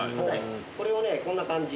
これをねこんな感じ。